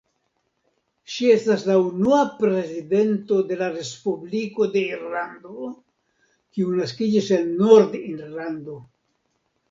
Ŝi estas la unua prezidento de la Respubliko de Irlando kiu naskiĝis en Nord-Irlando.